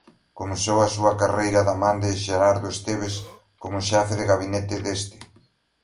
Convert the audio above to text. Comezou a súa carreira da man de Xerado Estévez como xefe de gabinete deste.